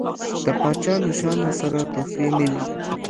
د پاچا له شانه سره تحفې نه وي.